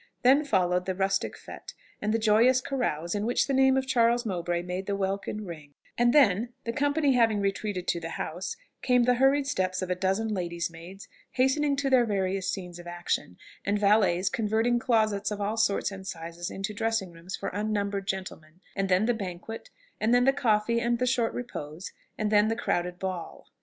Then followed the rustic fête and the joyous carouse, in which the name of Charles Mowbray made the welkin ring; and then, the company having retreated to the house, came the hurried steps of a dozen lady's maids hastening to their various scenes of action, and valets converting closets of all sorts and sizes into dressing rooms for unnumbered gentlemen; and then the banquet, and then the coffee and the short repose and then the crowded ball.